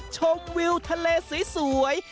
ชมวิวทะเลสวย